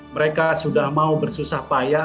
mereka sudah mau bersusah payah